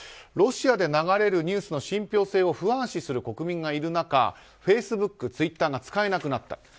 ロシアで流れるニュースの信ぴょう性を不安視する国民がいる中フェイスブック、ツイッターが使えなくなった。